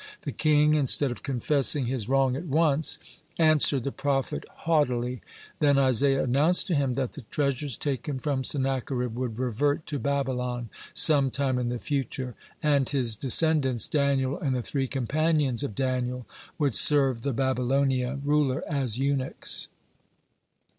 The king, instead of confessing his wrong at once, answered the prophet haughtily. (86) Then Isaiah announced to him that the treasures taken from Sennacherib (87) would revert to Babylon some time in the future, and his descendants, Daniel and the three companions of Daniel, would serve the Babylonia ruler as eunuchs.